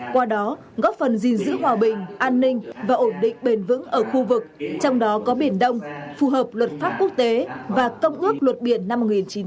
qua đó góp phần gìn giữ hòa bình an ninh và ổn định bền vững ở khu vực trong đó có biển đông phù hợp luật pháp quốc tế và công ước luật biển năm một nghìn chín trăm tám mươi hai